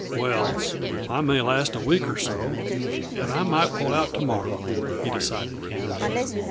"Well. I may last a week or so, and I might pull out to morrow," he decided candidly.